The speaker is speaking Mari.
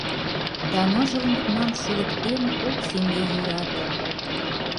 Да ныжыл мутнам шулыктен Ок сеҥе йӱрат.